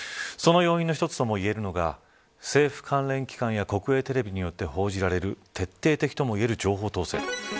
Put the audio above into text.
その要因の一つともいえるのが政府関連機関や国営テレビによって報じられる徹底的ともいえる情報統制。